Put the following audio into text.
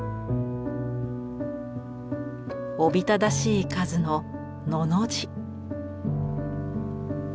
おびただしい数の「の」の字。